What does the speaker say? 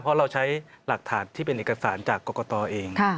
เพราะเราใช้หลักฐานที่เป็นเอกสารจากกรกตเอง